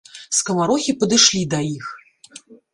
Скамарохі падышлі да іх.